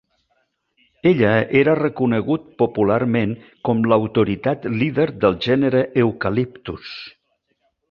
Ella era reconegut popularment com l"autoritat líder del gènere "Eucalyptus".